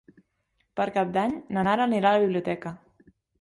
Per Cap d'Any na Nara anirà a la biblioteca.